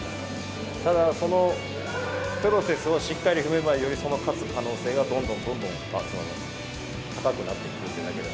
ただ、そのプロセスをしっかり踏めば、よりその勝つ可能性がどんどんどんどん高くなっていく。